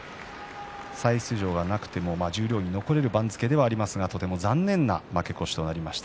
再出場はなくても十両に残れる番付ではありますけども残念な負け越しとなりました。